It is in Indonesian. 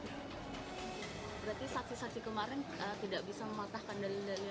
berarti saksi saksi kemarin tidak bisa memotahkan dalil dalil